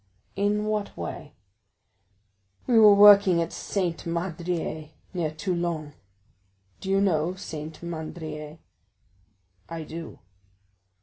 "In what way?" "We were working at Saint Mandrier, near Toulon. Do you know Saint Mandrier?" "I do."